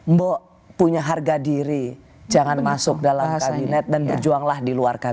mbok punya harga diri jangan masuk dalam kabinet dan berjuanglah di luar kabinet